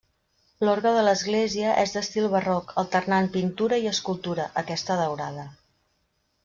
L'orgue de l'església és d'estil barroc, alternant pintura i escultura, aquesta daurada.